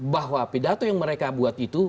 bahwa pidato yang mereka buat itu